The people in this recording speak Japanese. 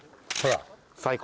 最高。